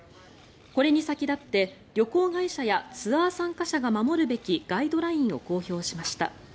これに先立って旅行会社やツアー参加者が守るべきガイドラインを公表しました。